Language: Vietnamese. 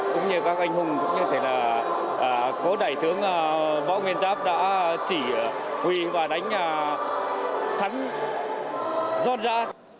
cũng như các anh hùng cũng như có đại thướng bảo nguyên giáp đã chỉ huy và đánh thắng do ra